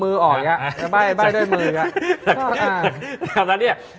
มืออ่อยละใบ้ด้วยมือละ